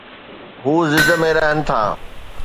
هو ضد ۾ رهن ٿا.